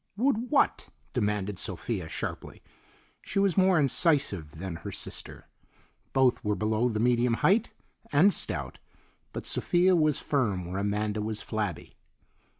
"Would what?" demanded Sophia, sharply. She was more incisive than her sister. Both were below the medium height, and stout, but Sophia was firm where Amanda was flabby.